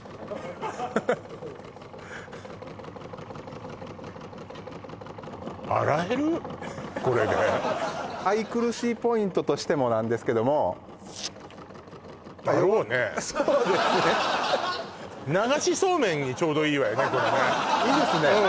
ハハハこれで愛くるしいポイントとしてもなんですけどもそうですね